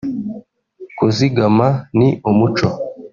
kuzigama ni umuco